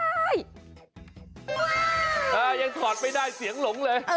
ยังถอดไม่ได้เสียงหลงเลย